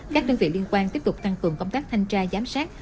các đơn vị liên quan tiếp tục tăng cường công tác thanh tra giám sát